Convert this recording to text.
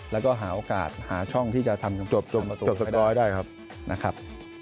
แล้วก็หาโอกาสหาช่องที่จะทำประตูให้ได้